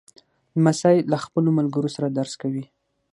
لمسی له خپلو ملګرو سره درس کوي.